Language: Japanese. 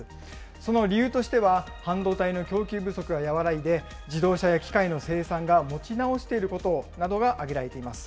その理由としては、半導体の供給不足が和らいで、自動車や機械の生産が持ち直していることなどが挙げられています。